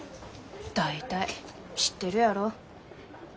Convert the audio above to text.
大体知ってるやろ。